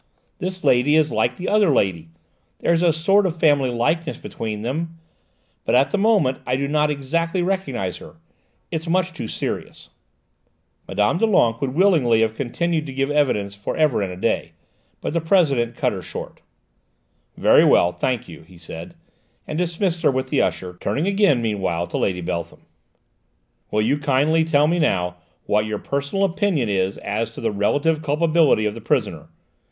This lady is like the other lady there's a sort of family likeness between them , but at the moment I do not exactly recognise her; it's much too serious!" Mme. Doulenques would willingly have continued to give evidence for ever and a day, but the President cut her short. "Very well; thank you," he said, and dismissed her with the usher, turning again meanwhile to Lady Beltham. "Will you kindly tell me now what your personal opinion is as to the relative culpability of the prisoner?